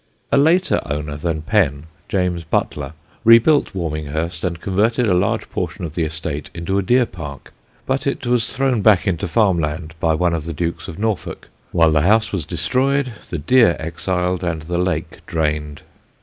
A later owner than Penn, James Butler, rebuilt Warminghurst and converted a large portion of the estate into a deer park; but it was thrown back into farm land by one of the Dukes of Norfolk, while the house was destroyed, the deer exiled, and the lake drained.